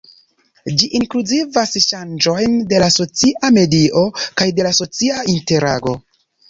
Ĝi inkluzivas ŝanĝojn de la socia medio kaj de la socia interago.